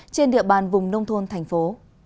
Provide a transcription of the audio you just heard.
trên địa bàn vùng nông thôn thành phố